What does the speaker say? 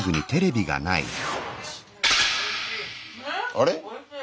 あれ？